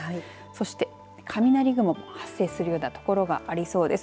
そして雷雲発生すような所がありそうです。